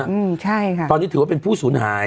อืมใช่ค่ะตอนนี้ถือว่าเป็นผู้สูญหาย